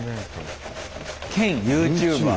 兼ユーチューバー。